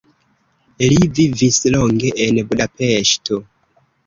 Li vivis longe en Budapeŝto.